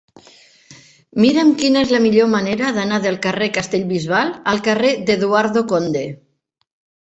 Mira'm quina és la millor manera d'anar del carrer de Castellbisbal al carrer d'Eduardo Conde.